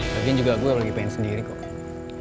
tapi juga gue lagi pengen sendiri kok